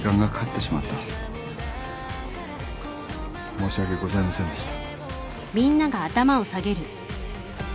申し訳ございませんでした。